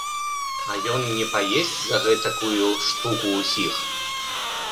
А ён не паесць за гэтакую штуку ўсіх?